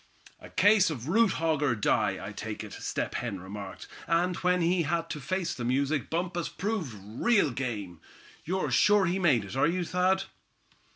"A case of 'root hog, or die,' I take it," Step Hen remarked; "and when he had to face the music Bumpus proved real game. You're sure he made it, are you, Thad?"